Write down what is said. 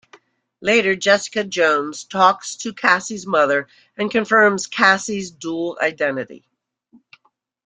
Later, Jessica Jones talks to Cassie's mother and confirms Cassie's dual identity.